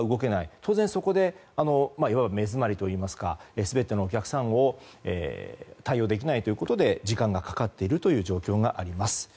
当然、そこでいわば目詰まりといいますか全てのお客さんに対応できないということで時間がかかっているという状況があります。